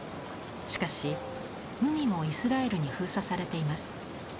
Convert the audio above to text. しかし海もイスラエルに封鎖されています。